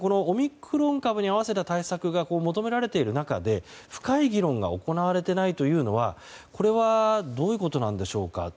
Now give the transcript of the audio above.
オミクロン株に合わせた対策が求められている中で深い議論が行われていないのはこれはどういうことなのでしょうか？